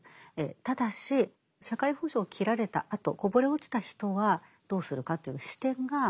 ただし社会保障を切られたあとこぼれ落ちた人はどうするかという視点がここにはないと。